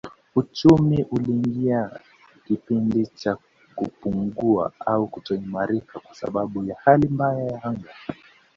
Uchumi uliingia kipindi cha kupungua au kutoimarika kwa sababu ya hali mbaya ya anga